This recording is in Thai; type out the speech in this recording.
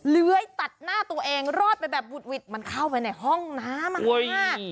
เลื้อยตัดหน้าตัวเองรอดไปแบบวุดหวิดมันเข้าไปในห้องน้ำ